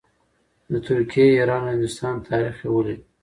د ترکیې، ایران او هندوستان تاریخ یې ولید.